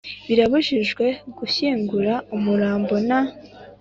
Birabujijwe gushyingura umurambo nta